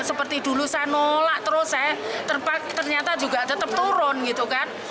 seperti dulu saya nolak terus saya ternyata juga tetap turun gitu kan